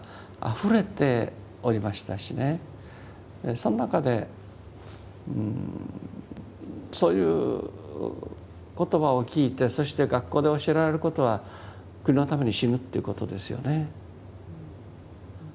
その中でうんそういう言葉を聞いてそして学校で教えられることは国のために死ぬっていうことですよね。